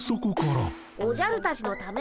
おじゃるたちのためだよ。